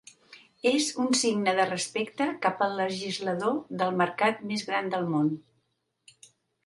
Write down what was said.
És un signe de respecte cap al legislador del mercat més gran del món.